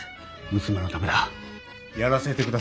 娘のためだ。